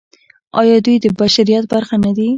آیا دوی د بشریت برخه نه دي؟